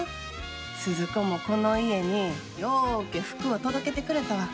鈴子もこの家にようけ福を届けてくれたわ。